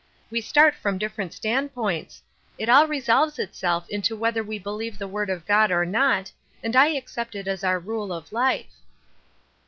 We start from different standpoints. It all resolves itself into whether we believe the word of God or not, and I accept it as our rule of life."